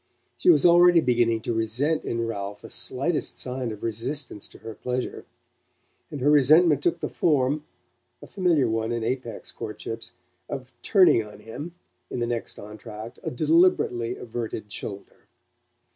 She was already beginning to resent in Ralph the slightest sign of resistance to her pleasure; and her resentment took the form a familiar one in Apex courtships of turning on him, in the next entr'acte, a deliberately averted shoulder.